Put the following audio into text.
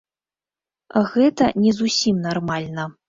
Гэта не зусім нармальна.